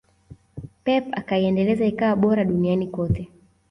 Pep akaiendeleza ikawa bora duniani kote